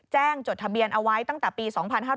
จดทะเบียนเอาไว้ตั้งแต่ปี๒๕๕๙